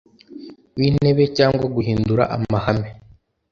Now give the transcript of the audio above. w’Intebe cyangwa guhindura amahame